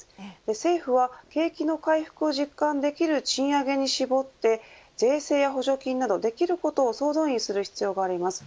政府は、景気の回復を実感できる賃上げに絞って税制や補助金などできることを総動員する必要があります。